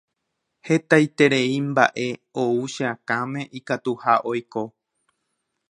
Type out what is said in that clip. Hetaiterei mba'e ou che akãme ikatuha oiko.